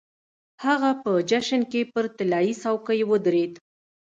هغه په جشن کې پر طلايي څوکۍ ودرېد.